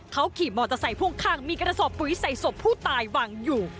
เขาขี่มอเตอร์ไซค์พ่วงข้างมีกระสอบปุ๋ยใส่ศพผู้ตายวางอยู่